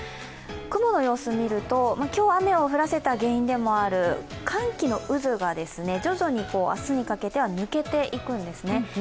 雲の様子を見ると今日雨を降らせた原因でもある寒気の渦が徐々に明日にかけては抜けていくんですね。